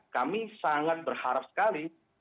kami sangat berharap sekali